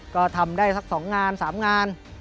ก็ทำได้สัก๒งาน๓งาน